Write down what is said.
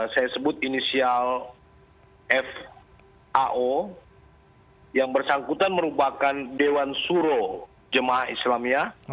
saya sebut inisial fao yang bersangkutan merupakan dewan suro jemaah islamia